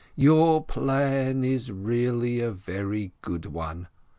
Your plan is really a very good one.